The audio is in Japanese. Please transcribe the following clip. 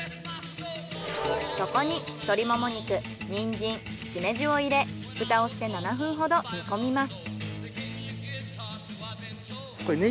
そこに鳥モモ肉ニンジンしめじを入れフタをして７分ほど煮込みます。